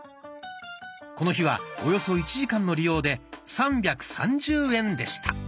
この日はおよそ１時間の利用で３３０円でした。